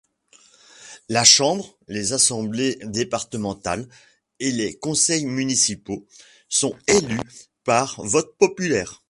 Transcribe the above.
La chambre, les assemblées départementales et les conseils municipaux sont élus par vote populaire.